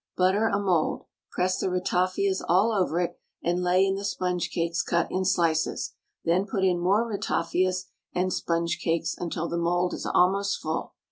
Butter a mould, press the ratafias all over it, and lay in the sponge cakes cut in slices; then put in more ratafias and sponge cakes until the mould is almost full.